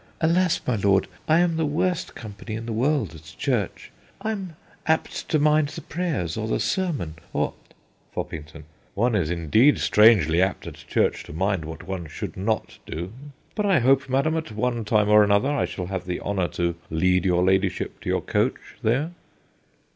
Alas, my lord, I am the worst company in the world at church : I 'm apt to mind the prayers, or the sermon, or FOPPINGTON. One is indeed strangely apt at church to mind what one should not do. But I hope, madam, at one time or other, I shall have the honour to lead your ladyship to your coach there.